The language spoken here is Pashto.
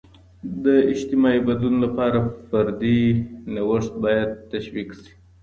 د اجتماعي بدلون لپاره، فردي نوښت باید تشویق سي.